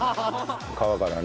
皮からね。